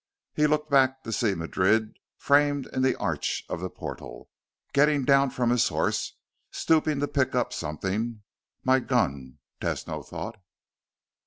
He looked back to see Madrid framed in the arch of the portal, getting down from his horse, stooping to pick up something. My gun, Tesno thought.